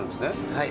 はい。